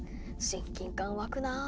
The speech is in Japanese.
親近感わくな。